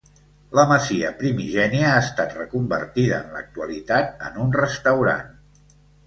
La masia primigènia ha estat reconvertida en l'actualitat en un restaurant.